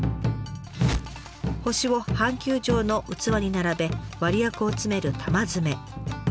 星を半球状の器に並べ割薬を詰める「玉詰め」。